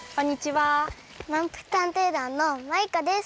まんぷく探偵団のマイカです。